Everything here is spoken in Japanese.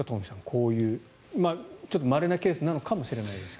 こういう、ちょっとまれなケースなのかもしれませんが。